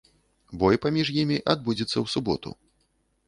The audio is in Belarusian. Бой паміж імі адбудзецца ў суботу.